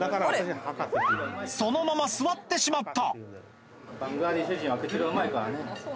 そのまま座ってしまった！